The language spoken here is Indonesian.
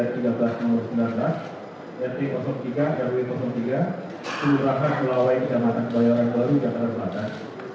rt tiga jalan wijaya tiga pulau raha pulau wai jamanan bayaran bali jamanan batas